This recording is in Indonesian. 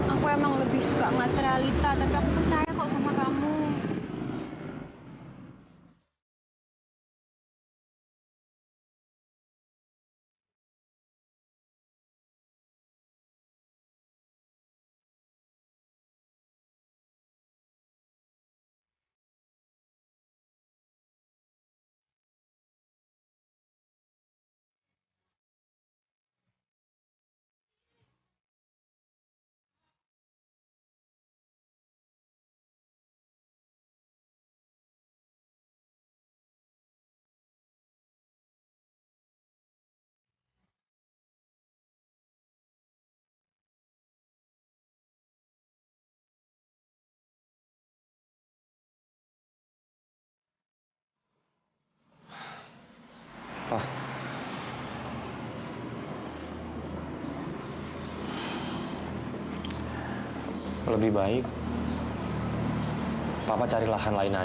aku emang lebih suka ngga terrealita